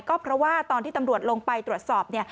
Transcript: ก็เพราะว่าตอนที่ตำรวจลงไปตรวจสอบ